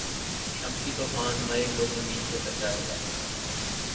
شمسی طوفان مئی کو زمین سے ٹکرائے گا